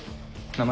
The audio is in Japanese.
名前？